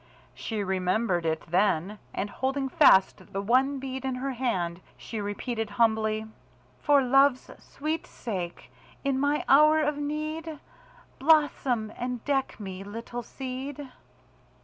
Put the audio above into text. She remembered it then, and holding fast the one bead in her hand, she repeated humbly: "For love's sweet sake, in my hour of need, Blossom and deck me, little seed."